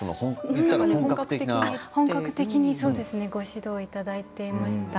本格的にご指導いただいていました。